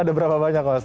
ada berapa banyak mas